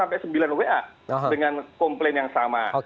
ada delapan sembilan wa dengan komplain yang sama